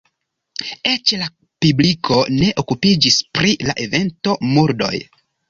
Eĉ la publiko ne okupiĝis pri la evento, murdoj.